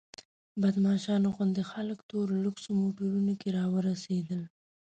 بدماشانو غوندې خلک تورو لوکسو موټرو کې راورسېدل.